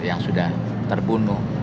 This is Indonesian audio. yang sudah terbunuh